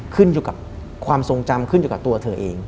ขึ้นอยู่กับความทรงจำขึ้นอยู่กับตัวเธอเอง